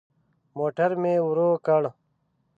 موټر مي ورو کړ .